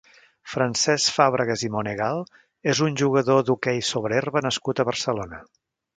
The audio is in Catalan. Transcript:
Francesc Fàbregas i Monegal és un jugador d'hoquei sobre herba nascut a Barcelona.